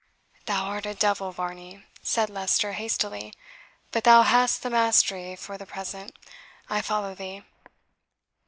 "Thou art a devil, Varney," said Leicester hastily; "but thou hast the mastery for the present I follow thee."